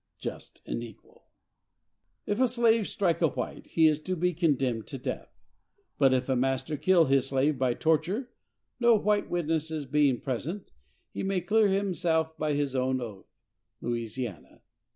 S. C.)—Just and equal! If a slave strike a white, he is to be condemned to death; but if a master kill his slave by torture, no white witnesses being present, he may clear himself by his own oath. (Louisiana.)